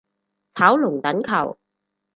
炒龍躉球